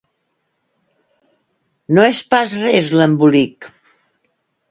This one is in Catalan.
No és pas res l'embolic!